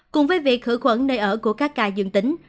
cùng với việc khử khuẩn nơi ở của các ca dương tính